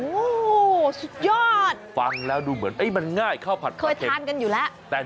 โอ้โหสุดยอดฟังแล้วดูเหมือนมันง่ายข้าวผัดเคยทานกันอยู่แล้ว